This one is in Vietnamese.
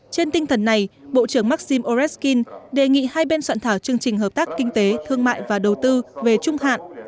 trên tinh thần này bộ trưởng maxim orezkin đề nghị hai bên soạn thảo chương trình hợp tác kinh tế thương mại và đầu tư về trung hạn